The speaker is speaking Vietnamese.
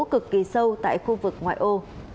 cực kỳ sâu tại khu vực ngoại ô